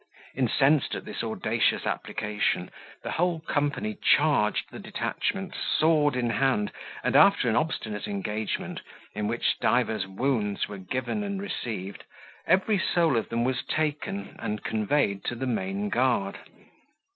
Incensed at this audacious application, the whole company charged the detachment sword in hand and, after an obstinate engagement, in which divers wounds were given and received, every soul of them was taken, and conveyed to the main guard.